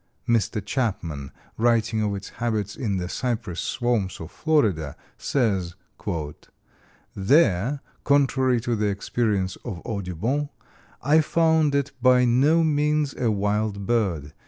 Mr. Chapman, writing of its habits in the cypress swamps of Florida, says: "There, contrary to the experience of Audubon, I found it by no means a wild bird.